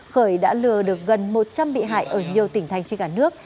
khởi đã lừa được gần một trăm linh bị hại ở nhiều tỉnh thành trên cả nước